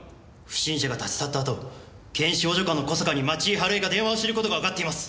不審者が立ち去った後検視補助官の小坂に町井春枝が電話をしている事がわかっています。